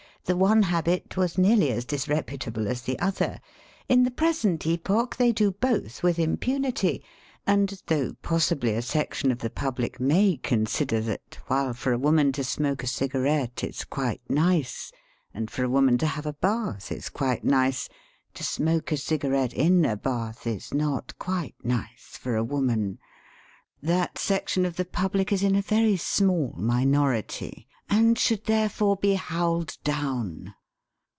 The one habit was nearly as disreputable as the other. In the present epoch they do both with impunity, and though possibly a section of the public may consider that while for a woman to smoke a cigarette is quite nice, and for a woman to have a bath is quite nice, to smoke a cigarette in a bath is not quite nice for a woman, that sec tion of the public is in a very small minority and should therefore be bowled down.